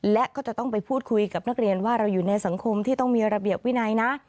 และก็จะต้องไปพูดคุยกับนักเรียนว่าเราอยู่ในสังคมที่ต้องมีระเบียบวินัยนะ